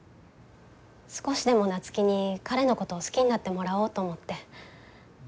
少しでも夏樹に彼のことを好きになってもらおうと思って。